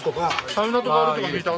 サウナとかあるとか聞いた。